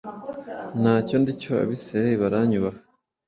nta cyo ndi cyo abisirayeli baranyubaha